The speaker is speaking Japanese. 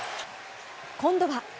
今度は。